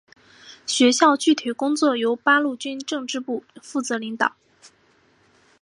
学校的具体工作由八路军政治部负责领导。